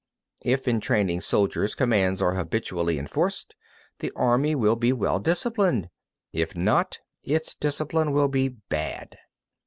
44. If in training soldiers commands are habitually enforced, the army will be well disciplined; if not, its discipline will be bad.